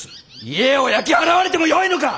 家を焼き払われてもよいのか！